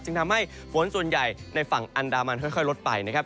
ทำให้ฝนส่วนใหญ่ในฝั่งอันดามันค่อยลดไปนะครับ